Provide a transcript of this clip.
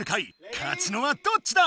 勝つのはどっちだ